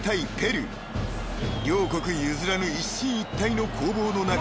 ［両国譲らぬ一進一退の攻防の中］